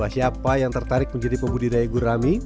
siapa yang tertarik menjadi pembudidaya gurami